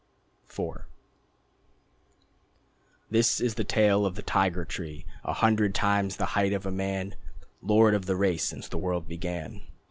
IV This is the tale of the Tiger Tree A hundred times the height of a man, Lord of the race since the world began.